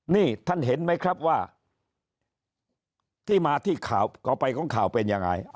นี่ท่านเห็นไหมครับว่าที่มาที่ข่าวต่อไปของข่าวเป็นยังไง